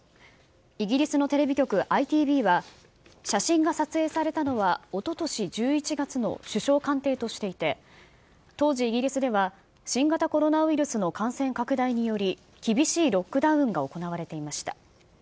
イギリスのテレビ局、ＩＴＶは写真が撮影されたのは、おととし１１月の首相官邸としていて、当時、イギリスでは新型コロナウイルスの感染拡大により、厳しいロックダウンが行われていました。